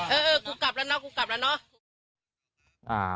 เออกูกลับแล้วเนาะกูกลับแล้วเนาะ